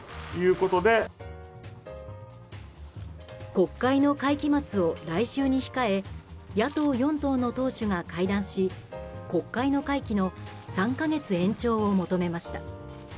国会の会期末を来週に控え野党４党の党首が会談し国会の会期の３か月延長を求めました。